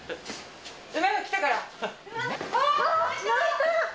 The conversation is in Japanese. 馬が来たから。